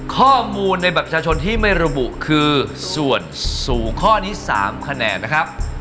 ข้อมูลในบัตรประชาชนที่ไม่ระบุคือส่วนสูงข้อนี้๓คะแนนนะครับ